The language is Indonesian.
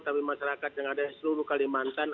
tapi masyarakat yang ada di seluruh kalimantan